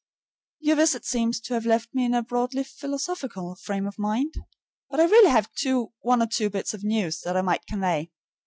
Your visit seems to have left me in a broadly philosophical frame of mind; but I really have one or two bits of news that I might convey.